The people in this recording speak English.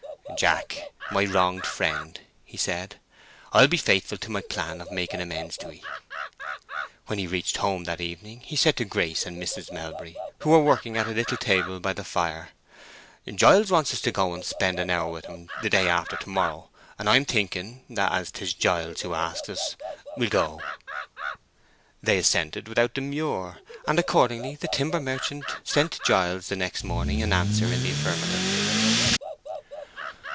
"Jack, my wronged friend!" he said. "I'll be faithful to my plan of making amends to 'ee." When he reached home that evening, he said to Grace and Mrs. Melbury, who were working at a little table by the fire, "Giles wants us to go down and spend an hour with him the day after to morrow; and I'm thinking, that as 'tis Giles who asks us, we'll go." They assented without demur, and accordingly the timber merchant sent Giles the next morning an answer in the affirmative.